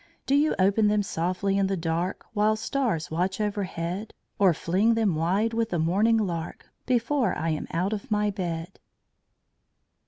Do you open them softly in the dark, While stars watch overhead? Or fling them wide with the morning lark, Before I am out of my bed?